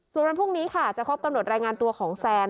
ส่วนวันพรุ่งนี้ค่ะจะครบกำหนดรายงานตัวของแซน